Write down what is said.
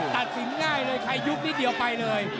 ตัดสินง่ายเลยใครยุบนิดเดียวไปเลย